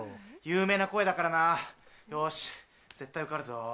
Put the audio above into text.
有名な声だからなよし絶対受かるぞ。